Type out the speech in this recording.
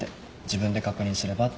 自分で確認すればって。